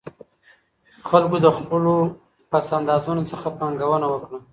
خلګو د خپلو پس اندازونو څخه پانګونه وکړه.